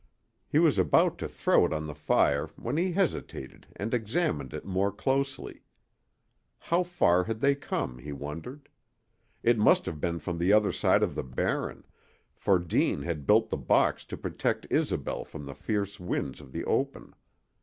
He was about to throw it on the fire when he hesitated and examined it more closely. How far had they come, he wondered? It must have been from the other side of the Barren, for Deane had built the box to protect Isobel from the fierce winds of the open.